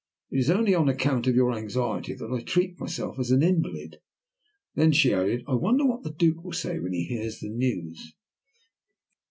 "It is only on account of your anxiety that I treat myself as an invalid." Then she added, "I wonder what the Duke will say when he hears the news?"